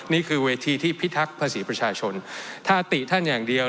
นี่คือเวทีที่พิทักษ์ภาษีประชาชนถ้าติท่านอย่างเดียว